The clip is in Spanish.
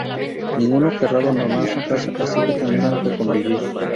Ninguno querrá abandonar "su casa", así que tendrán que convivir.